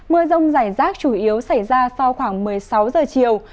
mưa rông rải rác chủ yếu xảy ra sau khoảng một mươi sáu giờ chiều